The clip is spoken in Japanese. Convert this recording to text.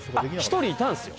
１人いたんすよ